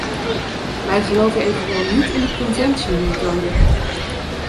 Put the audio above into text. Wij geloven evenwel niet in de conventiemethode.